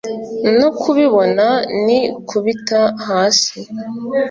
no kubibona nikubita hasi